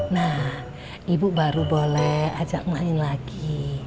nah ibu baru boleh ajak main lagi